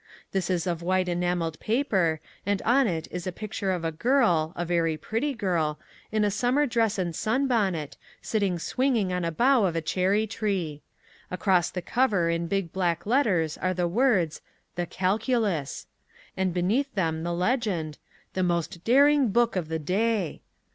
This is of white enamelled paper, and on it is a picture of a girl, a very pretty girl, in a summer dress and sunbonnet sitting swinging on a bough of a cherry tree. Across the cover in big black letters are the words: THE CALCULUS and beneath them the legend "the most daring book of the day."